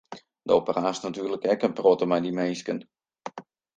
Do praatst natuerlik ek in protte mei de minsken.